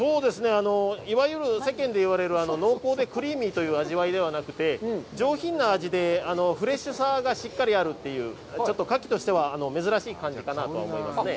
いわゆる世間で言われる濃厚でクリーミーという味わいではなくて、上品な味で、フレッシュさがしっかりあるという、ちょっとカキとしては珍しい感じかなと思いますね。